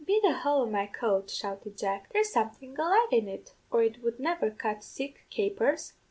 "'Be the hole o' my coat,' shouted Jack, 'there's something alive in it, or it would never cut sich capers!'